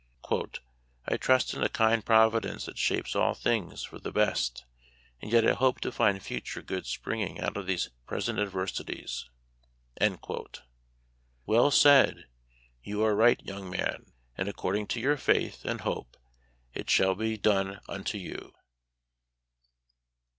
" I trust in a kind Providence that shapes all things for the best, and yet I hope to find future good spring ing out of these present adversities.*' Well said. You are right, young man, and according to your faith and hope it shall be done unto you.